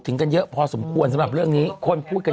กันเยอะพอสมควรสำหรับเรื่องนี้คนพูดกัน